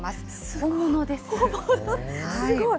本物、すごい。